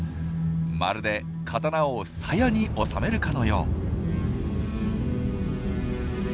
まるで刀を「さや」に収めるかのよう。